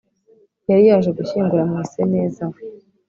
yari yaje gushyingura mwiseneza we